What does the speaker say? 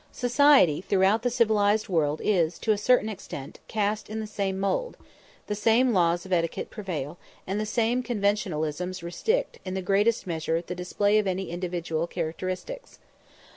Society throughout the civilized world is, to a certain extent, cast in the same mould; the same laws of etiquette prevail, and the same conventionalisms restrict in great measure the display of any individual characteristics.